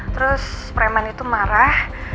terus preman itu marah